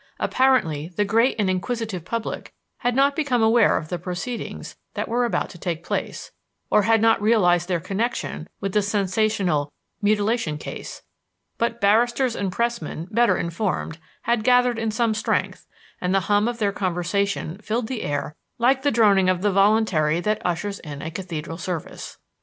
Apparently the great and inquisitive public had not become aware of the proceedings that were about to take place, or had not realized their connection with the sensational "Mutilation Case"; but barristers and Pressmen, better informed, had gathered in some strength, and the hum of their conversation filled the air like the droning of the voluntary that ushers in a cathedral service.